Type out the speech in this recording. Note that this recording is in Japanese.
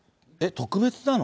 特別なの？